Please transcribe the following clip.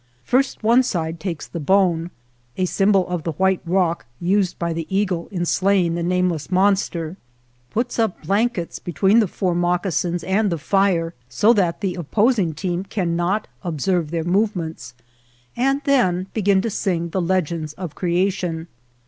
First one side takes the bone (a symbol of the white rock used by the eagle in slaying the nameless monster — see Chapter I), puts up blankets between the four moccasins and the fire so that the op posing team cannot observe their move ments, and then begin to sing the legends of creation.